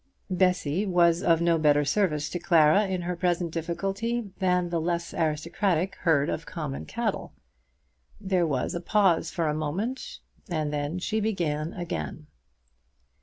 Bessy was of no better service to Clara in her present difficulty than the less aristocratic herd of common cattle. There was a pause for a moment, and then she began again.